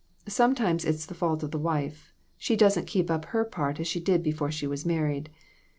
Sometimes it's the fault of the wife. She doesn't keep up her part as she did before she was married.